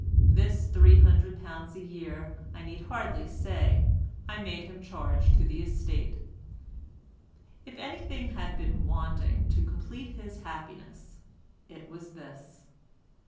This £300 a year, I need hardly say, I made him charge to the estate. If anything had been wanting to complete his happiness it was this.